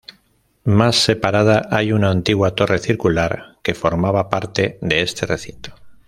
Más separada hay una antigua torre circular que formaba parte de este recinto.